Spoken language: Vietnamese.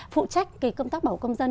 phụ trách công tác bảo hộ công dân